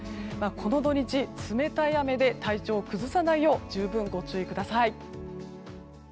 この土日、冷たい雨で体調を崩さないよう十分、ご注意ください。